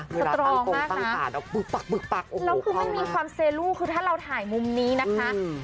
สตรองมากนะแล้วคือไม่มีความเซลูคือถ้าเราถ่ายมุมนี้นะคะ